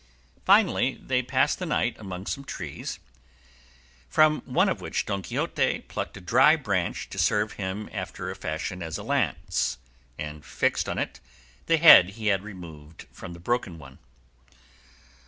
Finally they passed the night among some trees, from one of which Don Quixote plucked a dry branch to serve him after a fashion as a lance, and fixed on it the head he had removed from the broken one.